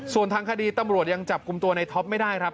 ส่วนทางคดีตำรวจยังจับกลุ่มตัวในท็อปไม่ได้ครับ